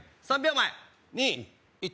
３秒前２１